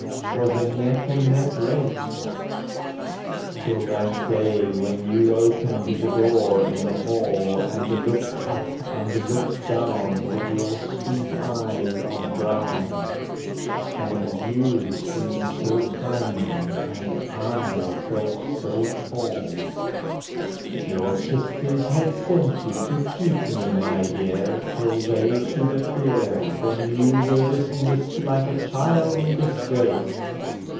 'Twas a neck and neck race, Till that day when you opened the door in the hall, And looked up and looked down, With your sweet eyes of brown, And you seemed so tiny, and I felt so tall. Your sisters had sent you to keep me, my dear, Till they should appear. Then you were dismissed like a child in disgrace.